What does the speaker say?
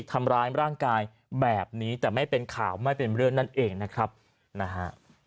ทำร้ายร่างกายแบบนี้แต่ไม่เป็นข่าวไม่เป็นเรื่องนั่นเองนะครับนะฮะ